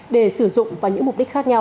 để sử dụng vào những mục đích khác nhau